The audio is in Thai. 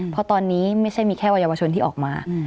เพราะตอนนี้ไม่ใช่มีแค่วัยวชนที่ออกมา